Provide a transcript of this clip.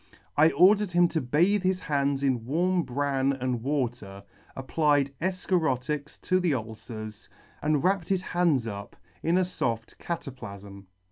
I ordered him to bathe his hands in warm bran and w T ater, applied efcharotics to the ulcers, and wrapped his hands up in a foft cataplafm.